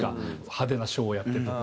派手なショーをやってたとか。